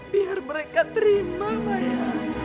biar mereka terima maya